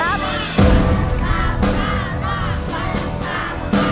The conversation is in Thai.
สามต้าราสามบรรยากาศ